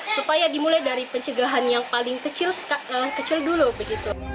supaya dimulai dari pencegahan yang paling kecil dulu begitu